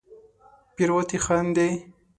پیروتې خاندې